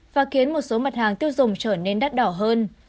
và khiến một số mặt hàng tiêu dùng trở nên đắt đỏ hơn